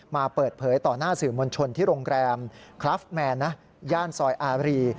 มาเปิดเผยต่อหน้าสื่อมวลชนที่โรงแรมคลับแมนนะย่านซอยอารี